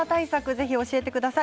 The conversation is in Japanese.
ぜひ教えてください。